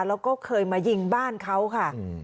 แล้วก็เคยมายิงบ้านเขาค่ะ